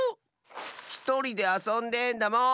ひとりであそんでんだもん！